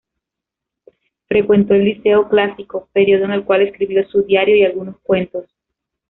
Frecuentó el liceo clásico, período en el cual escribió su diario y algunos cuentos.